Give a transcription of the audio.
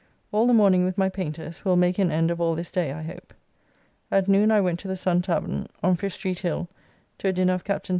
All the morning with my painters, who will make an end of all this day I hope. At noon I went to the Sun tavern; on Fish Street hill, to a dinner of Captn.